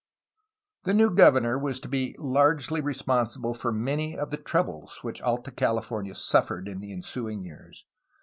The new governor was to be largely responsible for many of the troubles which Alta California suffered in ensuing years.